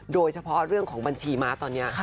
โดยเฉพาะเรื่องของบัญชีม้าตอนนี้